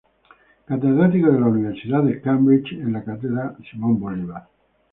Catedrático de la Universidad de Cambridge en la cátedra Simón Bolívar.